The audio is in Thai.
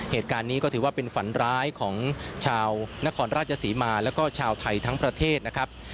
เหตุการณ์นี้ก็ถือว่าเป็นฝันร้ายของชาวนครราชศรีมาแล้วก็ชาวไทยทั้งประเทศนะครับ